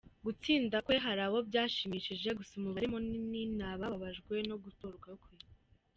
Gutsinda kwe hari abo byashimishije gusa umubare munini ni abababajwe no gutorwa kwe.